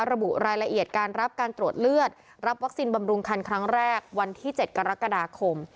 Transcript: ระบุรายละเอียดการรับการตรวจเลือดรับวัคซีนบำรุงคันครั้งแรกวันที่๗กรกฎาคม